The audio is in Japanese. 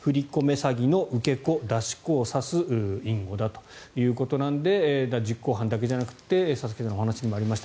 詐欺の受け子、出し子を指す隠語だということで実行犯だけじゃなくて佐々木さんのお話にもありました